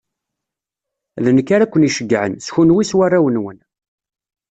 D nekk ara ken-iɛeggcen, s kenwi s warraw-nwen.